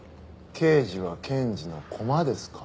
刑事は検事の駒ですか？